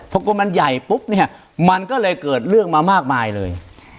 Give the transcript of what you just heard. พอมันใหญ่ปุ๊บเนี่ยมันก็เลยเกิดเรื่องมามากมายเลย